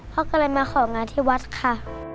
พ่อก็เลยมาของานที่วัดค่ะ